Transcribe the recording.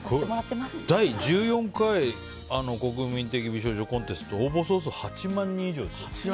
第１４回国民的美少女コンテスト応募総数８万人以上だって。